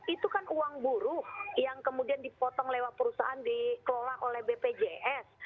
itu kan uang buruh yang kemudian dipotong lewat perusahaan dikelola oleh bpjs